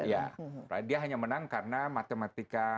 ya dia hanya menang karena matematika